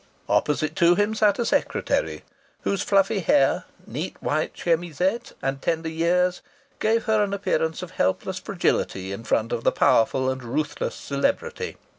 Opposite to him sat a secretary whose fluffy hair, neat white chemisette, and tender years gave her an appearance of helpless fragility in front of the powerful and ruthless celebrity.